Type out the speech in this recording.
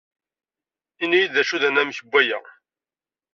Ini-yi-d d acu d anamek n waya.